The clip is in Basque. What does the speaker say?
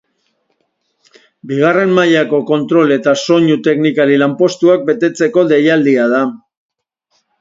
Bigarren mailako kontrol eta soinu teknikari lanpostuak betetzeko deialdia da.